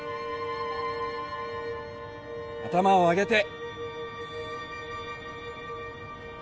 頭を上げて！